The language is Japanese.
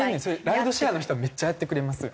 ライドシェアの人はめっちゃやってくれます。